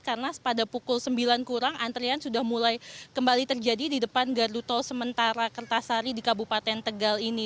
karena pada pukul sembilan kurang antrian sudah mulai kembali terjadi di depan gardu tol sementara kertasari di kabupaten tegal ini